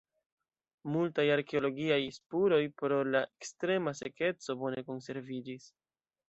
Multaj arkeologiaj spuroj pro la ekstrema sekeco bone konserviĝis.